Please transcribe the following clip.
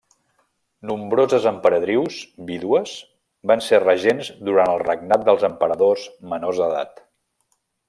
Nombroses emperadrius vídues van ser regents durant el regnat dels emperadors menors d'edat.